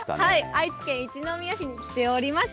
愛知県一宮市に来ております。